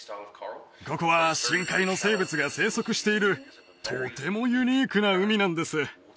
ここは深海の生物が生息しているとてもユニークな海なんです